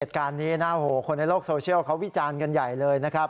เหตุการณ์นี้นะหูคนโลกสโชลเขาวิจารณ์ใหญ่เลยนะครับ